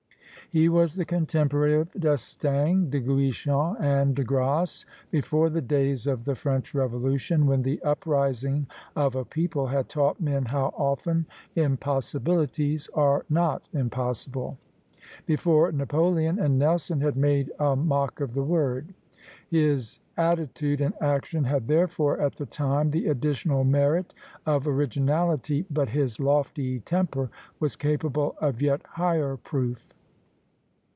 He was the contemporary of D'Estaing, De Guichen, and De Grasse, before the days of the French Revolution, when the uprising of a people had taught men how often impossibilities are not impossible; before Napoleon and Nelson had made a mock of the word. His attitude and action had therefore at the time the additional merit of originality, but his lofty temper was capable of yet higher proof.